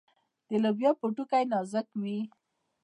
د لوبیا پوټکی نازک وي.